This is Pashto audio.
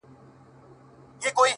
ددې سايه به ؛پر تا خوره سي؛